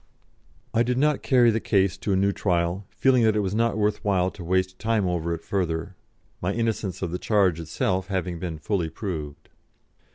I did not carry the case to a new trial, feeling that it was not worth while to waste time over it further, my innocence of the charge itself having been fully proved.